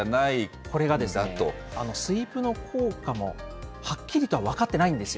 これがですね、スイープの効果もはっきりとは分かってないんですよ。